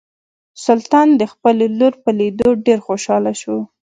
سلطان د خپلې لور په لیدو ډیر خوشحاله شو.